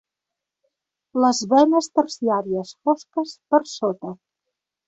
Les venes terciàries fosques per sota.